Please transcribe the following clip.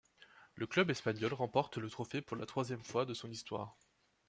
Le club espagnol remporte le trophée pour la troisième fois de son histoire.